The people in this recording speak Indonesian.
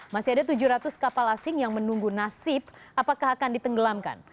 masih ada tujuh ratus kapal asing yang menunggu nasib apakah akan ditenggelamkan